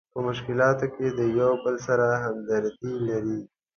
په مشکلاتو کې د یو بل سره همدردي لري.